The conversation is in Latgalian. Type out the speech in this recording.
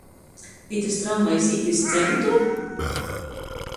Itys tramvajs īt iz centru?